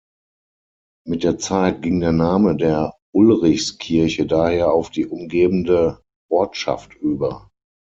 Mit der Zeit ging der Name der Ulrichskirche daher auf die umgebende Ortschaft über.